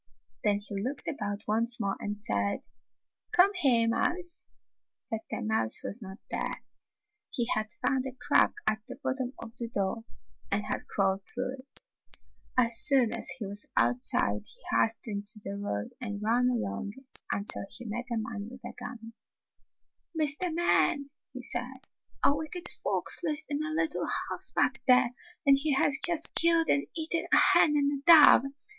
Then he looked about once more and said, "Come here, mouse." But the mouse was not there. He had found a crack at the bottom of the door and THE HEN, THE DOVE, AND THE MOUS GO FOR A RIDE Ill Fairy Tale Foxes had crawled through it. As soon as he was outside he hastened to the road and ran along it until he met a man with a gun. ''Mr. Man," he said, "a wicked fox lives in a little house back here, and he has just killed and eaten a hen and a dove